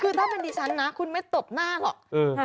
คือถ้าเป็นดิฉันนะคุณไม่ตบหน้าหรอก